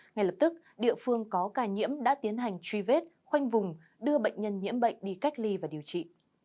ngay lập tức địa phương có ca nhiễm đã tiến hành truy vết khoanh vùng đưa bệnh nhân nhiễm bệnh đi cách ly và điều trị